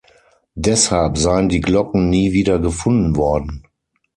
Deshalb seien die Glocken nie wieder gefunden worden.